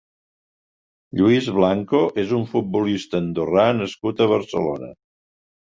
Lluis Blanco és un futbolista andorrà nascut a Barcelona.